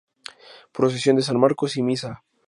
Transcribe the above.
Procesión de San Marcos y misa.